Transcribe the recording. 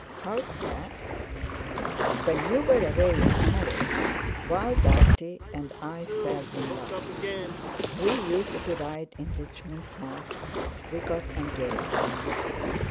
"How's that?" "When you were away in Paris, Val Dartie and I fell in love. We used to ride in Richmond Park; we got engaged.